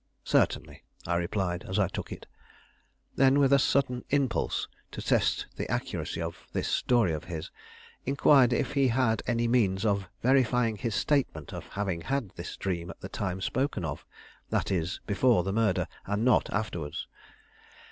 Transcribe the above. "Certainly," I replied as I took it. Then, with a sudden impulse to test the accuracy of this story of his, inquired if he had any means of verifying his statement of having had this dream at the time spoken of: that is, before the murder and not afterwards.